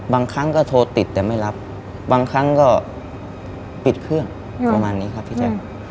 บางครั้งก็โทรติดแต่ไม่รับบางครั้งก็ปิดเครื่องประมาณนี้ครับพี่แจ๊ค